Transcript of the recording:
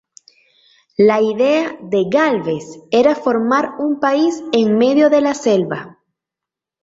La idea de Gálvez era formar un país en medio de la selva.